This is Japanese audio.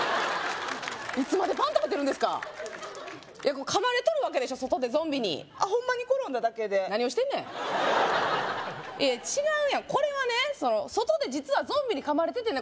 いつまでパン食べてるんですか噛まれとるわけでしょ外でゾンビにホンマに転んだだけで何をしてんねんいえ違うやんこれはね外で実はゾンビに噛まれててね